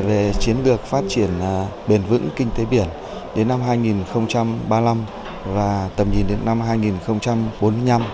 về chiến lược phát triển bền vững kinh tế biển đến năm hai nghìn ba mươi năm và tầm nhìn đến năm hai nghìn bốn mươi năm